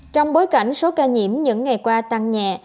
trong bối cảnh số ca nhiễm những ngày qua tăng nhẹ